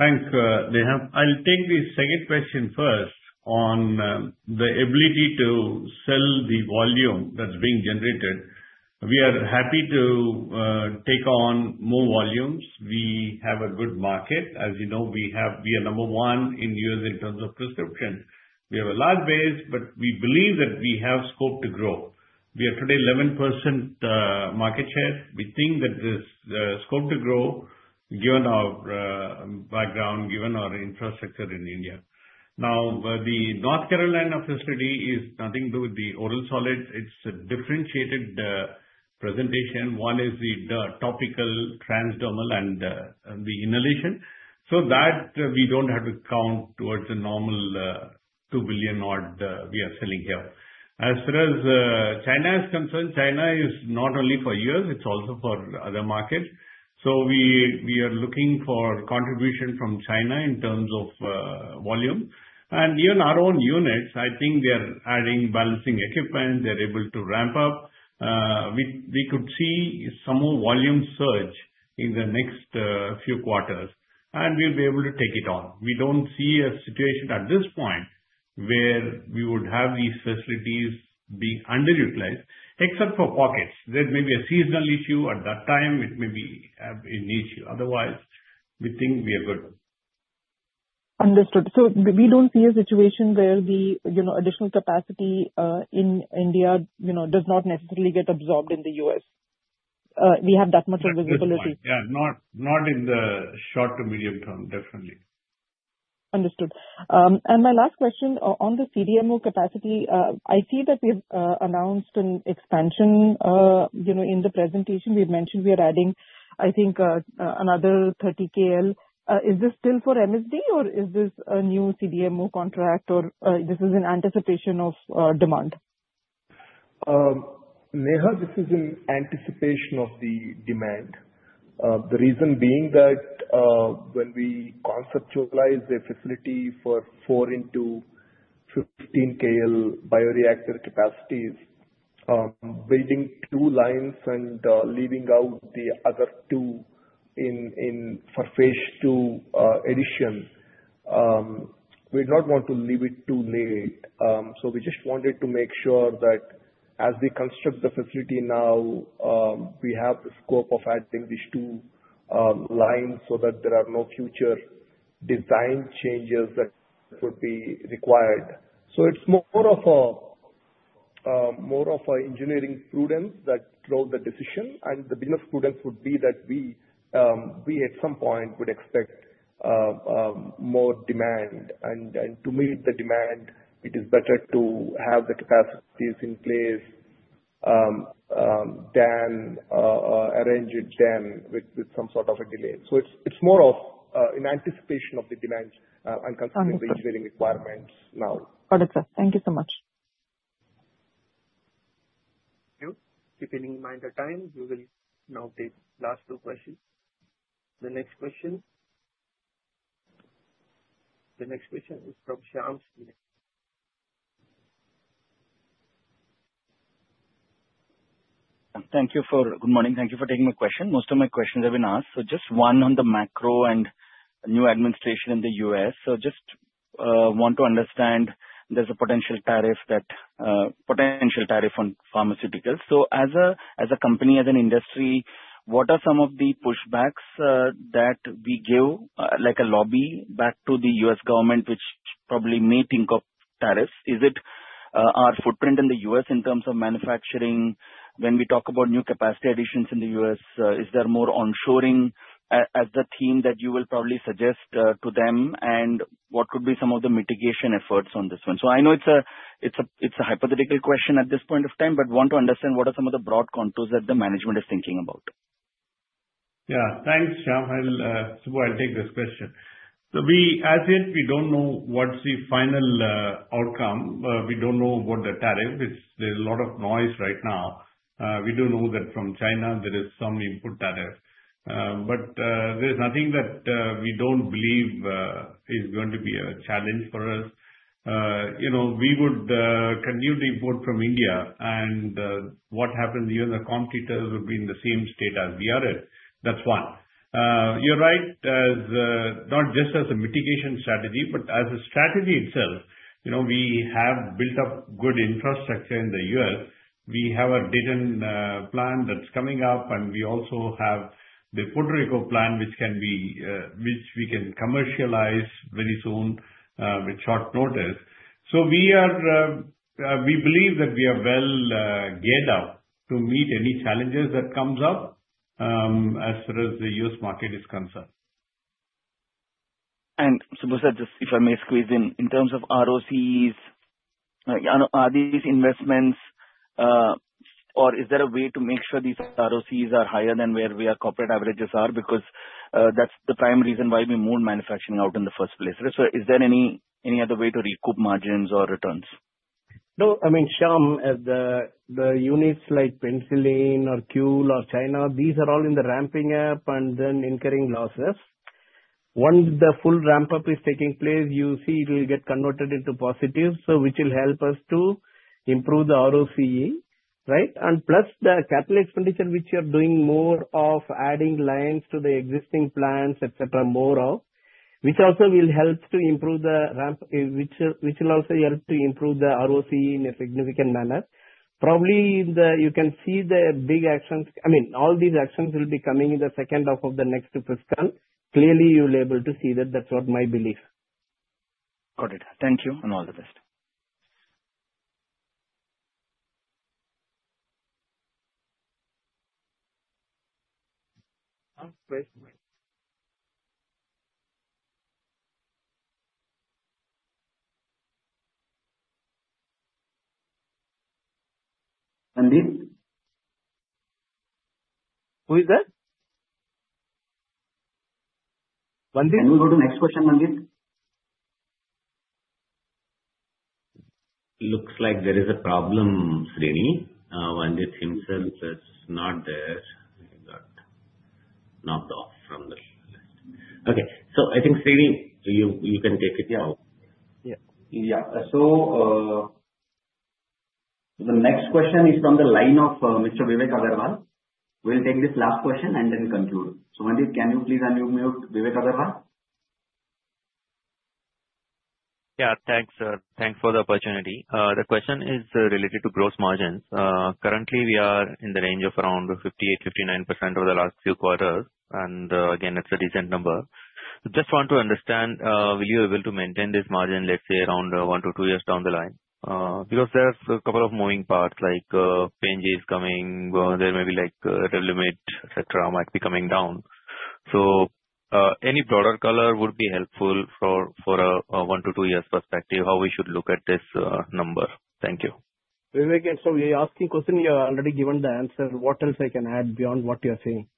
Speaker 14: Neha. I'll take the second question first on the ability to sell the volume that's being generated. We are happy to take on more volumes. We have a good market. As you know, we are number one in U.S. in terms of prescription. We have a large base, but we believe that we have scope to grow. We are today 11% market share. We think that there's scope to grow given our background, given our infrastructure in India. Now, the North Carolina facility is nothing to do with the oral solid. It's a differentiated presentation. One is the topical transdermal and the inhalation. So that we don't have to count towards the normal 2 billion odd we are selling here. As far as China is concerned, China is not only for U.S., it's also for other markets. So we are looking for contribution from China in terms of volume. And even our own units, I think they are adding balancing equipment. They're able to ramp up. We could see some more volume surge in the next few quarters, and we'll be able to take it on. We don't see a situation at this point where we would have these facilities being underutilized, except for pockets. There may be a seasonal issue at that time. It may be an issue. Otherwise, we think we are good.
Speaker 13: Understood. So we don't see a situation where the additional capacity in India does not necessarily get absorbed in the U.S. We have that much of visibility.
Speaker 14: Yeah. Not in the short to medium term, definitely.
Speaker 13: Understood. And my last question on the CDMO capacity. I see that we've announced an expansion in the presentation. We've mentioned we are adding, I think, another 30 KL. Is this still for MSD, or is this a new CDMO contract, or this is in anticipation of demand?
Speaker 7: Neha, this is in anticipation of the demand. The reason being that when we conceptualize a facility for 4 into 15 KL bioreactor capacities, building two lines and leaving out the other two for phase two addition, we'd not want to leave it too late, so we just wanted to make sure that as we construct the facility now, we have the scope of adding these two lines so that there are no future design changes that would be required. So it's more of an engineering prudence that drove the decision, and the business prudence would be that we, at some point, would expect more demand. And to meet the demand, it is better to have the capacities in place than arrange it then with some sort of a delay, so it's more of in anticipation of the demand and considering the engineering requirements now.
Speaker 13: Got it, sir. Thank you so much.
Speaker 1: Thank you. Keeping in mind the time, we will now take last two questions. The next question is from Shyam Steele.
Speaker 4: Thank you. Good morning. Thank you for taking my question. Most of my questions have been asked, so just one on the macro and new administration in the U.S. I just want to understand there's a potential tariff on pharmaceuticals. So as a company, as an industry, what are some of the pushbacks that we give like a lobby back to the U.S. government, which probably may think of tariffs? Is it our footprint in the U.S. in terms of manufacturing? When we talk about new capacity additions in the U.S., is there more onshoring as the theme that you will probably suggest to them? And what would be some of the mitigation efforts on this one? So I know it's a hypothetical question at this point of time, but want to understand what are some of the broad contours that the management is thinking about.
Speaker 14: Yeah. Thanks, Shyam. Subbu, I'll take this question. So as yet, we don't know what's the final outcome. We don't know what the tariff is. There's a lot of noise right now. We do know that from China, there is some input tariff. But there's nothing that we don't believe is going to be a challenge for us. We would continue to import from India. And what happens here in the competitors would be in the same state as we are in. That's one. You're right, not just as a mitigation strategy, but as a strategy itself. We have built up good infrastructure in the U.S. We have a data plan that's coming up. And we also have the Puerto Rico plan, which we can commercialize very soon with short notice. So we believe that we are well geared up to meet any challenges that come up as far as the U.S. market is concerned.
Speaker 4: And Subbu sir, just if I may squeeze in, in terms of ROCEs, are these investments or is there a way to make sure these ROCEs are higher than where our corporate averages are? Because that's the prime reason why we moved manufacturing out in the first place. So is there any other way to recoup margins or returns?
Speaker 3: No. I mean, Shyam, the units like Penicillin or Eugia or China, these are all in the ramping up and then incurring losses. Once the full ramp-up is taking place, you see it will get converted into positive, which will help us to improve the ROCE, right? And plus the capital expenditure, which you're doing more of adding lines to the existing plants, etc., more of, which also will help to improve the ramp, which will also help to improve the ROCE in a significant manner. Probably you can see the big actions. I mean, all these actions will be coming in the second half of the next fiscal. Clearly, you'll be able to see that. That's what my belief.
Speaker 4: Got it. Thank you and all the best.
Speaker 9: One question.
Speaker 3: Nandit? Who is that? Can we go to next question, Nandit?
Speaker 2: Looks like there is a problem, Srini. Nandit himself is not there. He got knocked off from the list. Okay. So I think, Srini, you can take it now.
Speaker 1: Yeah. So the next question is from the line of Mr. Vivek Agarwal. We'll take this last question and then conclude. So Nandit, can you please unmute Vivek Agarwal?
Speaker 15: Yeah. Thanks, sir. Thanks for the opportunity. The question is related to gross margins. Currently, we are in the range of around 58%-59% over the last few quarters. And again, it's a decent number. Just want to understand, will you be able to maintain this margin, let's say, around one to two years down the line? Because there's a couple of moving parts like PenG is coming. There may be like Revlimid, etc., might be coming down. So any broader color would be helpful for a one to two years perspective how we should look at this number. Thank you.
Speaker 3: Vivek, so you're asking a question. You're already given the answer. What else I can add beyond what you're saying?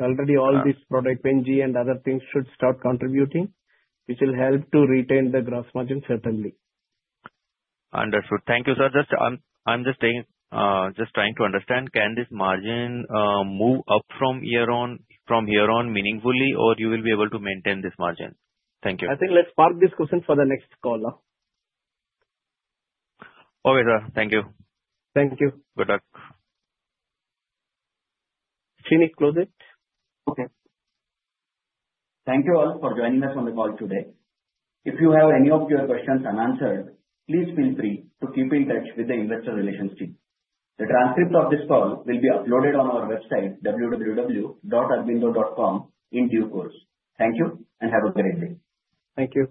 Speaker 3: Already all these products, PenG and other things should start contributing, which will help to retain the gross margin certainly.
Speaker 15: Understood. Thank you, sir. I'm just trying to understand, can this margin move up from here on meaningfully, or you will be able to maintain this margin? Thank you.
Speaker 3: I think let's park this question for the next call.
Speaker 15: Okay, sir. Thank you.
Speaker 3: Thank you.
Speaker 15: Good luck.
Speaker 3: Srini, close it.
Speaker 1: Okay. Thank you all for joining us on the call today. If you have any of your questions unanswered, please feel free to keep in touch with the investor relations team. The transcript of this call will be uploaded on our website, www.aurobindo.com, in due course. Thank you and have a great day.
Speaker 3: Thank you.